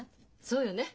そうよね！